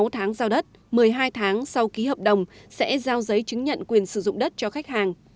sáu tháng giao đất một mươi hai tháng sau ký hợp đồng sẽ giao giấy chứng nhận quyền sử dụng đất cho khách hàng